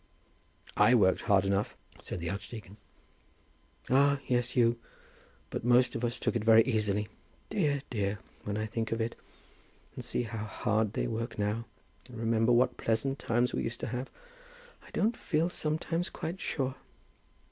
"I worked hard enough," said the archdeacon. "Ah, yes; you. But most of us took it very easily. Dear, dear! When I think of it, and see how hard they work now, and remember what pleasant times we used to have, I don't feel sometimes quite sure."